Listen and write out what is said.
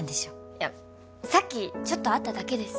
いやさっきちょっと会っただけです